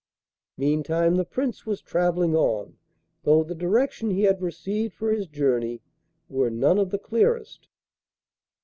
Meantime the Prince was travelling on, though the direction he had received for his journey were none of the clearest.